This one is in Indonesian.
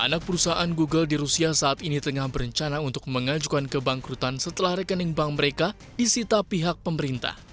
anak perusahaan google di rusia saat ini tengah berencana untuk mengajukan kebangkrutan setelah rekening bank mereka disita pihak pemerintah